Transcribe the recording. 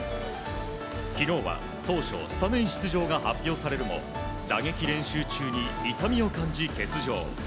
昨日は、当初スタメン出場が発表されるも打撃練習中に痛みを感じ欠場。